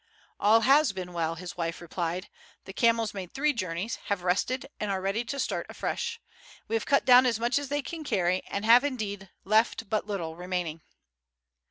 "All has been well," his wife replied. "The camels made three journeys, have rested, and are ready to start afresh. We have cut down as much as they can carry, and have indeed left but little remaining."